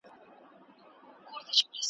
هغه کسان چي کتاب لولي د ژوند له ستونزو سره ښه .